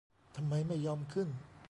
ทำไมไม่ยอมขึ้น